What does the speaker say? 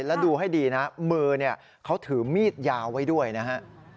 แล้วดูให้ดีนะมือเขาถือมีดยาวไว้ด้วยนะฮะ